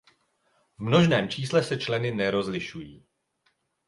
V množném čísle se členy nerozlišují.